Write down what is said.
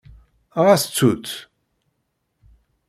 Ɣas ttu-tt.